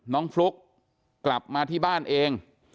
ฟลุ๊กกลับมาที่บ้านเอง